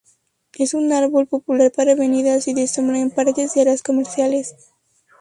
Es un árbol popular para avenidas, y de sombra; en parques y áreas comerciales.